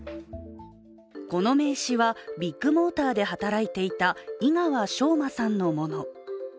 この名刺は、ビッグモーターで働いていた井川翔馬さんのもの。